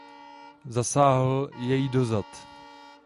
Zasáhl jej do zad.